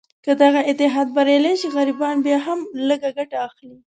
که دغه اتحاد بریالی شي، غریبان بیا هم لږه ګټه اخلي.